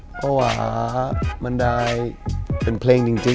เพราะว่ามันได้เป็นเพลงจริง